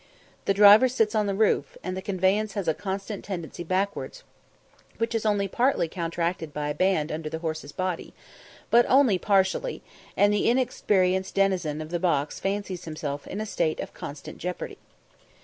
The driver sits on the roof, and the conveyance has a constant tendency backwards, which is partially counteracted by a band under the horse's body, but only partially, and the inexperienced denizen of the box fancies himself in a state of constant jeopardy.